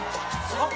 あっ！